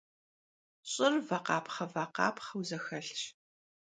Ş'ır vakhapxhe - vakhapxheu zexelhş.